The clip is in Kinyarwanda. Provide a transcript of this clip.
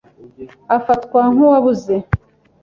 Afatwa nk'uwabuze.